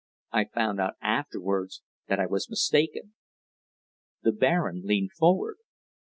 I found afterwards that I was mistaken!" The Baron leaned forward.